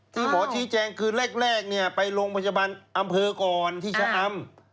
ที่หมอชี้แจงคือแรกเนี่ยไปโรงพยาบาลอำเภอก่อนที่ชะอำ